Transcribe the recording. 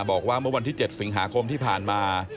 บอกว่าเมื่อวันที่๗สิงหาคมที่ผ่านมา